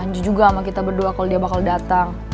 janji juga sama kita berdua kalo dia bakal dateng